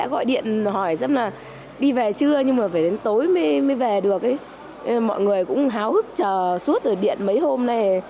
chắc là mừng lắm